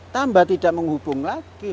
tambah tidak menghubung lagi